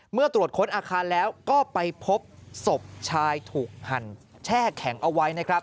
เมื่อตรวจค้นอาคารแล้วก็ไปพบศพชายถูกหั่นแช่แข็งเอาไว้นะครับ